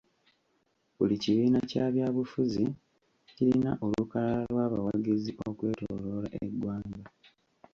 Buli kibiina kya byabufuzi kirina olukalala lw'abawagizi okwetooloola eggwanga.